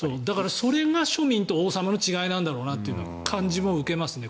それが庶民と王様の違いなんだろうなという感じも受けますね